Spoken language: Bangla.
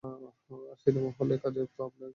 আর সিনেমা হলের কাজ তো আপনারই ছিলো!